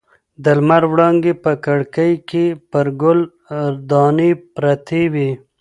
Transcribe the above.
د لمر وړانګې په کړکۍ کې پر ګل دانۍ پرتې وې.